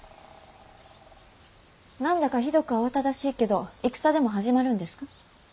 何だかひどく慌ただしいけど戦でも始まるんですか。